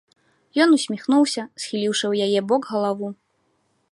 Ён усміхнуўся, схіліўшы ў яе бок галаву.